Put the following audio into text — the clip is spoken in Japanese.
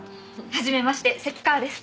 はじめまして関川です。